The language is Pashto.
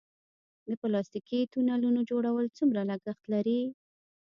د پلاستیکي تونلونو جوړول څومره لګښت لري؟